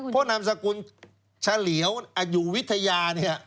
เพราะนามสกุลเฉลียวอยู่วิทยา